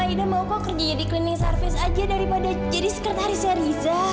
aida mau kau kerja di klinik servis aja daripada jadi sekretarisnya riza